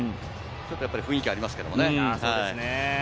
雰囲気ありますからね。